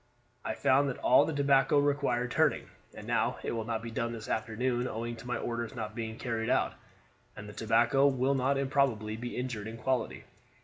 I found that all the tobacco required turning, and now it will not be done this afternoon owing to my orders not being carried out, and the tobacco will not improbably be injured in quality.